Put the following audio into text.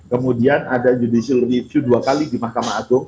kemudian ada judicial review dua kali di mahkamah agung